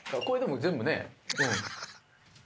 これでも全部ね。